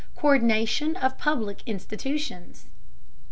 COÍRDINATION OF PUBLIC INSTITUTIONS.